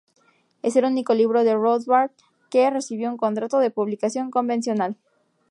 Es el único libro de Rothbard que recibió un contrato de publicación convencional.